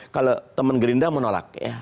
kalau teman gerindra menolak ya